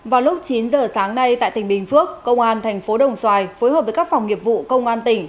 vào lúc chín h sáng nay tại tỉnh bình phước công an tp đồng xoài phối hợp với các phòng nghiệp vụ công an tỉnh